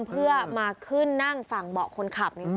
เพื่อมาขึ้นนั่งฝั่งเบาะคนขับ